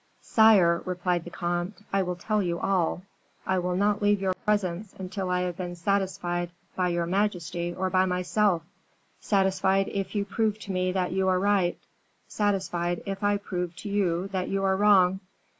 "Sire," replied the comte, "I will tell you all; I will not leave your presence until I have been satisfied by your majesty or by myself; satisfied if you prove to me that you are right, satisfied if I prove to you that you are wrong.